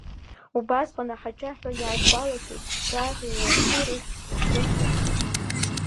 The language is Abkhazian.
Убысҟан аҳаҷаҳәа иаасгәалашәеит, Лаӷреи Лаԥшьи рыхьӡ шрыхьӡысҵаз.